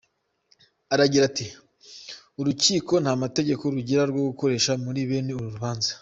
Aragira ati: “Urukiko nta mategeko rugira rwo gukoresha muri bene uru rubanza.